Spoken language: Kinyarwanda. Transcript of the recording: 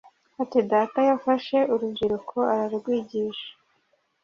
Ati “Data yafashe urubyiruko ararwigisha